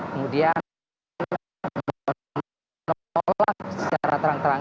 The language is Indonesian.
kemudian menolak secara terang terang